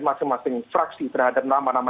masing masing fraksi terhadap nama nama